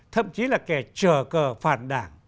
thậm chí là kẻ trở cờ phản đảng